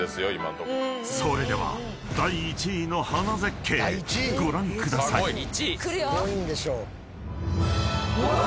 ［それでは第１位の花絶景ご覧ください］うわ！